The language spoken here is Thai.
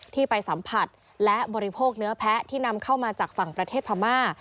ที่ไปสัมผัสและบริโภคเนื้อแพ้ที่นำเข้ามาจากฝั่งประเทศพม่า